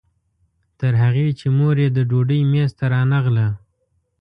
تر هغې چې مور یې د ډوډۍ میز ته رانغله.